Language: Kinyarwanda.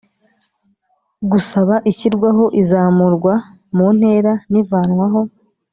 Gusaba ishyirwaho izamurwa mu ntera n ivanwaho